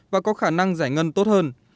và có khả năng giải ngân tốt hơn